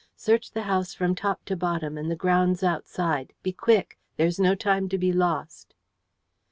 Search the house from top to bottom, and the grounds outside. Be quick! There is no time to be lost."